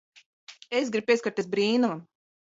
Es gribu pieskarties brīnumam.